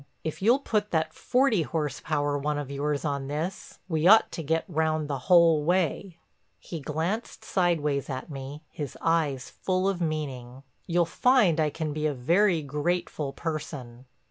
If you'll put that forty horse power one of yours on this we ought to get round the whole way." He glanced sideways at me, his eyes full of meaning. "You'll find I can be a very grateful person."